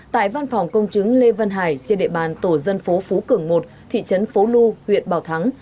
tại văn phòng công chứng lê văn hải trên địa bàn tổ dân phố phú cường một thị trấn phố lu huyện bảo thắng